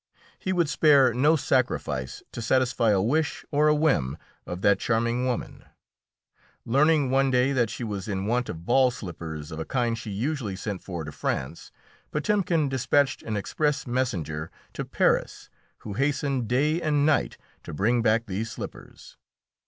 He would spare no sacrifice to satisfy a wish or a whim of that charming woman. Learning one day that she was in want of ball slippers of a kind she usually sent for to France, Potemkin despatched an express messenger to Paris, who hastened day and night to bring back these slippers.